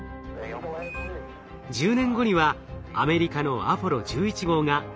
１０年後にはアメリカのアポロ１１号が月面着陸。